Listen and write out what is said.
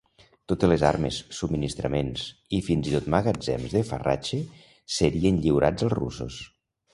Totes les armes, subministraments, i fins i tot magatzems de farratge serien lliurats als russos.